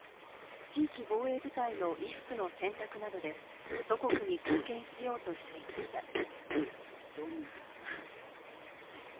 地域防衛部隊の衣服の洗濯などで祖国に貢献しようとしていました。